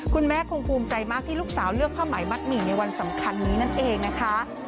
คุณแม่คงภูมิใจมากที่ลูกสาวเลือกผ้าไหมมัดหมี่ในวันสำคัญนี้นั่นเองนะคะ